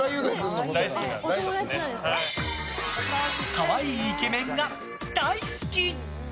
可愛いイケメンが大好き！